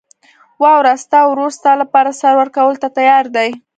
واوره، ستا ورور ستا لپاره سر ورکولو ته تیار دی.